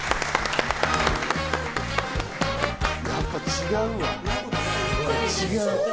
やっぱ違うわ、違う。